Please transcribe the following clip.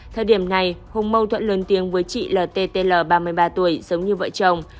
thời điểm này hùng mâu thuận lươn tiếng với chị lttl ba mươi ba tuổi sống như vợ chồng